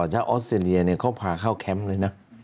ถ้าออสเตรเลียเขาพาเข้าแคมป์เลยนะ